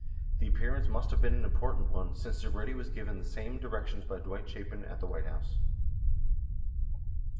The appearance must have been an important one, since Segretti was given the same directions by Dwight Chapin at the White House.